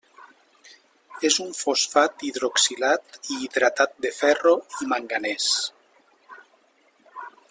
És un fosfat hidroxilat i hidratat de ferro i Manganès.